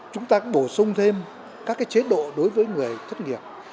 chúng ta cũng bổ sung thêm các chế độ đối với người thất nghiệp